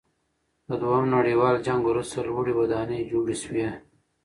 د دویم نړیوال جنګ وروسته لوړې ودانۍ جوړې سوې.